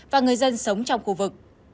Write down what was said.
và người dân sống trong khu vực